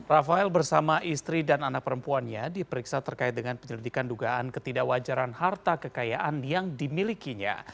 rafael bersama istri dan anak perempuannya diperiksa terkait dengan penyelidikan dugaan ketidakwajaran harta kekayaan yang dimilikinya